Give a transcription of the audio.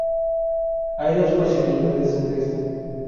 Hay dos posibilidades sobre esto.